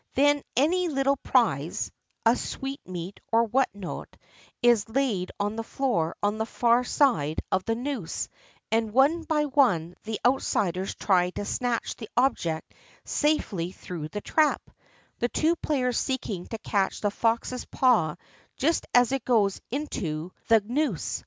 Then any Httle prize — a sweet meat or what not — is laid on the floor on the far side of the noose, and one by one the outsiders try to snatch the object safely through the trap, the two players seeking to catch the fox's paw just as it goes into the 473 JAPAN noose.